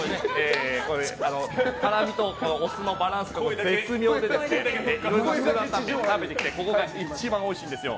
酸味と辛みのバランスが抜群でいろいろな酸辣湯麺を食べてきたがここが一番おいしいんですよ。